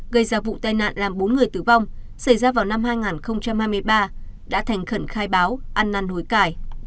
gây ra vụ tai nạn làm bốn người tử vong xảy ra vào năm hai nghìn hai mươi ba đã thành khẩn khai báo ăn năn hối cải